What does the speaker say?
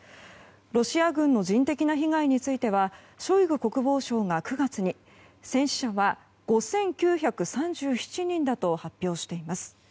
ロシア軍の人的な被害についてはショイグ国防相が９月に戦死者は５９３７人だと発表しています。